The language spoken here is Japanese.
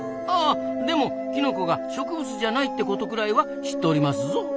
あでもキノコが植物じゃないってことくらいは知っておりますぞ。